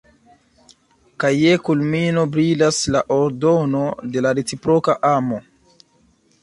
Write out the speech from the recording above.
Kaj je kulmino brilas la ordono de la reciproka amo.